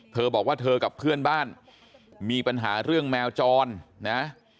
เธอบอกว่าเธอกับเพื่อนบ้านมีปัญหาเรื่องแมวจรนะ